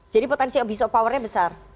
jadi potensi abuse of powernya besar